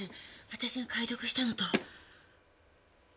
私が解読したのと。